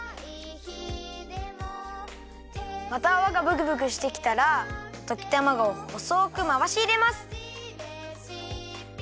またあわがブクブクしてきたらときたまごをほそくまわしいれます。